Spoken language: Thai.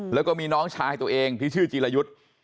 แล้วก็มีน้องชายตัวเองที่ชื่อจีรยุทธ์